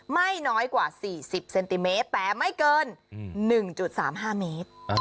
ไม่น้อยกว่า๔๐เซนติเมตรแต่ไม่เกิน๑๓๕เมตร